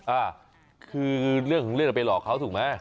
อ่าคือเรื่องของเรื่องไปหลอกเขาถูกไหม